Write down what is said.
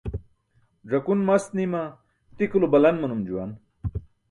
Ẓakun mast nima tikulo balan manum juwan.